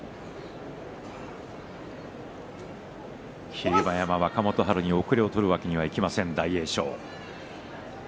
霧馬山、若元春に後れを取るわけにはいきません、大栄翔。